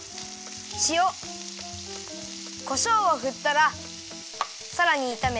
しおこしょうをふったらさらにいためて。